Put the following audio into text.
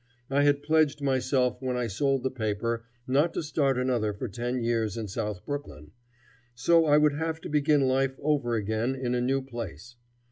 I had pledged myself when I sold the paper not to start another for ten years in South Brooklyn. So I would have to begin life over again in a new place.